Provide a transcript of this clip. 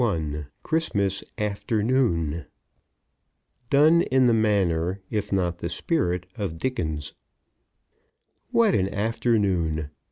XXI CHRISTMAS AFTERNOON Done in the Manner, if Not the Spirit, of Dickens What an afternoon!